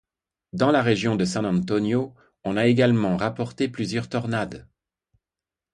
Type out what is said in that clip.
Dans la région de San Antonio, on a également rapporté plusieurs tornades.